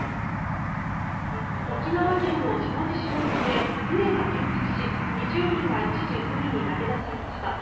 沖縄県の下地島沖で船が転覆し２０人が一時、海に投げ出されました。